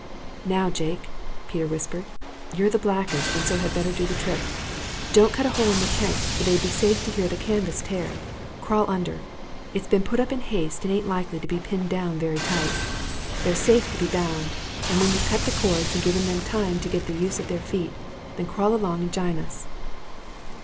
"Now, Jake," Peter whispered, "you're the blackest and so had better do the trick. Don't cut a hole in the tent, for they'd be safe to hear the canvas tear. Crawl under. It's been put up in haste and aint likely to be pinned down very tight. They're safe to be bound, and when you've cut the cords and given them time to get the use of their feet, then crawl along and jine us."